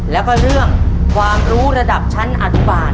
แล้วก็เรื่องความรู้ระดับชั้นอนุบาล